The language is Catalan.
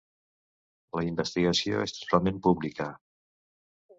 La investigació és totalment pública.